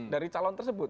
dari calon tersebut